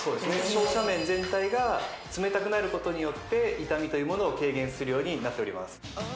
照射面全体が冷たくなることによって痛みというものを軽減するようになっております